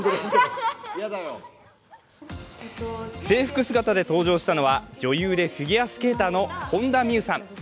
制服姿で登場したのは女優でフィギュアスケーターの本田望結さん。